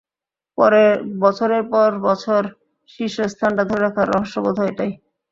বছরের পর বছর শীর্ষ স্থানটা ধরে রাখার রহস্য বোধ হয় এটাই।